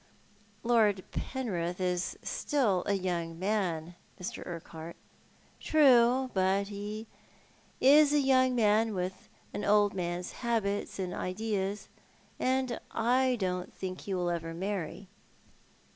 " Lord Penrith is still a young man, Mr. Urquhart." "True ; but he is a young man with an old man's habits and ideas ; and I don't believe he will ever marry."